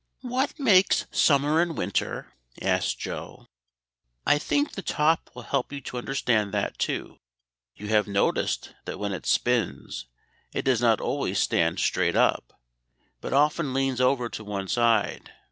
"What makes summer and winter?" asked Joe. "I think that the top will help you to understand that too. You have noticed that when it spins it does not always stand straight up, but often leans over to one side.